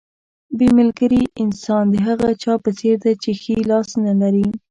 بې ملګري انسان د هغه چا په څېر دی چې ښی لاس نه لري.